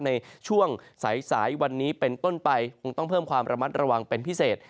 ในช่วงสายวันนี้เป็นต้นไปคงต้องเพิ่มความระมัดระวังเป็นพิเศษ